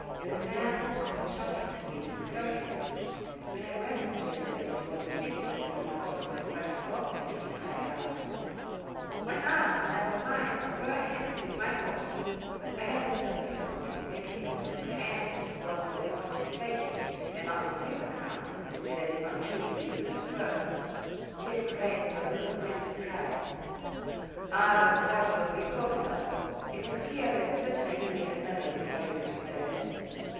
The man often shouted to me to spur him. When I remonstrated that it was a pity, for the horse was quite exhausted, he cried out, "Why not? never mind spur him it is my horse." I had then some difficulty in making him comprehend that it was for the horse's sake, and not on his account, that I did not choose to use my spurs. He exclaimed, with a look of great surprise, "Ah, Don Carlos, que cosa!" It was clear that such an idea had never before entered his head.